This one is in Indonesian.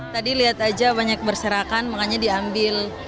tadi lihat aja banyak berserakan makanya diambil